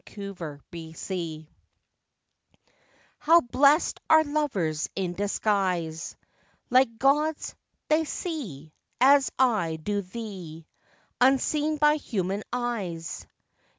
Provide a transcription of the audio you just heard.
LOVERS IN DISGUISE. How bless'd are lovers in disguise! Like gods, they see, As I do thee, Unseen by human eyes.